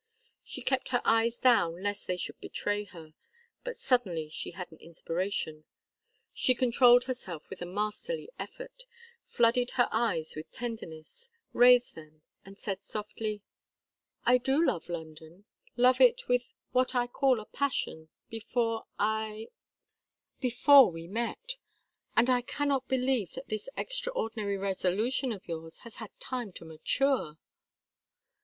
She kept her eyes down lest they should betray her. But suddenly she had an inspiration. She controlled herself with a masterly effort, flooded her eyes with tenderness, raised them, and said, softly: "I do love London, love it with what I called a passion before I before we met. And I cannot believe that this extraordinary resolution of yours has had time to mature.